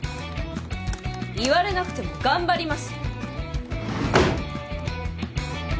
言われなくても頑張ります。